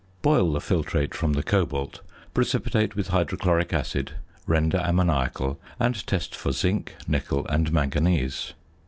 Boil the filtrate from the cobalt, precipitate with hydrochloric acid, render ammoniacal, and test for zinc, nickel, and manganese.